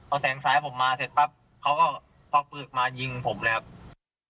เอาแสงสายผมมาเสร็จปรับเขาก็พอกปืนมายิงผมเลยอ่ะ